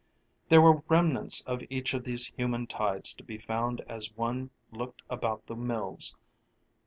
There were remnants of each of these human tides to be found as one looked about the mills.